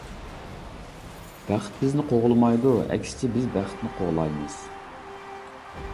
بەخت بىزنى قوغلىمايدۇ، ئەكسىچە بىز بەختنى قوغلايمىز.